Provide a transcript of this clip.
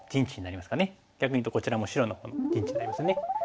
逆に言うとこちらも白の陣地になりますね。